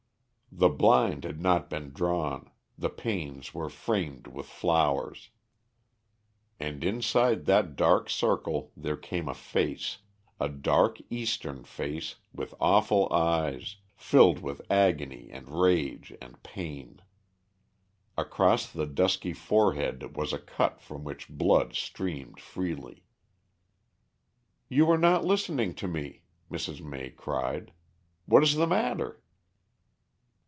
The blind had not been drawn; the panes were framed with flowers. And inside that dark circle there came a face, a dark Eastern face, with awful eyes, filled with agony and rage and pain. Across the dusky forehead was a cut from which blood streamed freely. "You are not listening to me," Mrs. May cried. "What is the matter?"